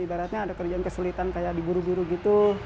ibaratnya ada kerjaan kesulitan kayak di guru guru gitu